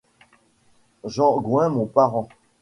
Jean Gouin, mon parent.